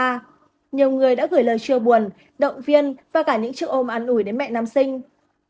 nhiều người đã gửi lời chia buồn động viên và cả những chữ ôm ăn ủi đến mẹ nam sinh